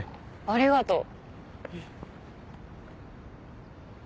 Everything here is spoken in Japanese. ありがとう。